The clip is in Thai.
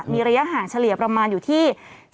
มีระยะห่างเฉลี่ยประมาณอยู่ที่